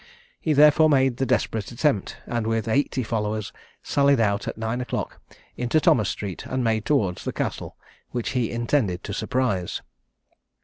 He therefore made the desperate attempt, and, with eighty followers, sallied out, at nine o'clock, into Thomas street, and made towards the Castle, which he intended to surprise.